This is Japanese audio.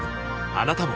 あなたも